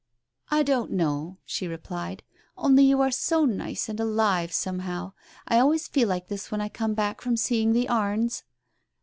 "I don't know !" she replied, "only you are so nice and alive somehow. I always feel like this when I come back from seeing the Ames."